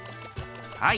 はい。